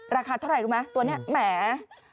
ราคาเท่าไหร่รู้มั้ยตัวเนี่ยแหม่